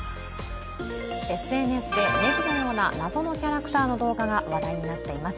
ＳＮＳでネギのような謎のキャラクターの動画が話題になっています。